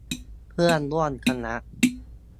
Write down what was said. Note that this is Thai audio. เพื่อนร่วมคณะ